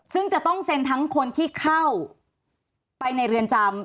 ซึ่งจะต้องเซ็นทั้งคนที่เข้าไปในเรือนจำ